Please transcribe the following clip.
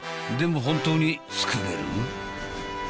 でも本当に作れる？